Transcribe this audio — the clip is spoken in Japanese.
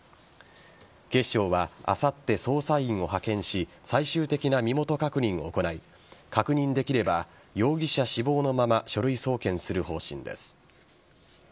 警視庁はあさって、捜査員を派遣し最終的な身元確認を行い確認できれば容疑者死亡のまま書類送検する方針です。